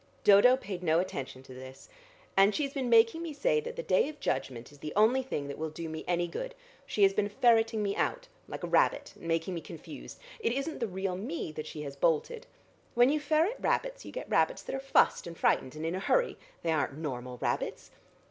Dodo paid no attention to this. "And she's been making me say that the Day of Judgment is the only thing that will do me any good. She has been ferreting me out, like a rabbit, and making me confused. It isn't the real me that she has bolted. When you ferret rabbits, you get rabbits that are fussed and frightened and in a hurry; they aren't normal rabbits.